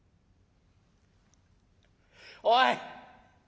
おい！